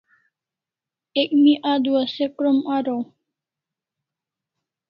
Ek mi adua se krom araw